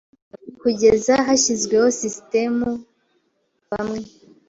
Kugeza hashyizweho sisitemu bamwe